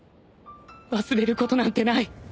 忘れることなんてない